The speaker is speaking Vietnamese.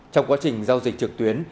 trong quá trình giao dịch trực tuyến